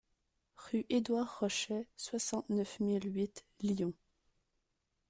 Rue Édouard Rochet, soixante-neuf mille huit Lyon